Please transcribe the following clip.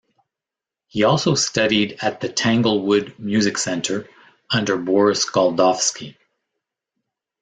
He also studied at the Tanglewood Music Center under Boris Goldovsky.